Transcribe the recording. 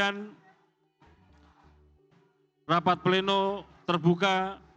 dan rapat pleno terbuka